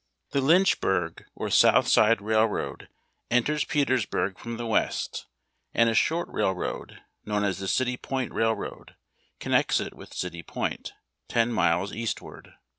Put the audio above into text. The Lyncliburg or Soutliside Raih oad enters Petersburg from the west, and' a short railroad, known as the City Point Railroad, connects it with City Point, ten miles eastward.